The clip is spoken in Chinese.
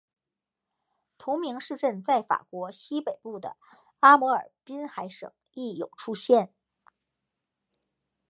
同名市镇在法国西北部的阿摩尔滨海省亦有出现。